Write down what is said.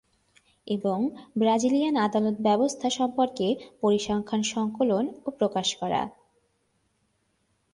এবং ব্রাজিলিয়ান আদালত ব্যবস্থা সম্পর্কে পরিসংখ্যান সংকলন ও প্রকাশ করা।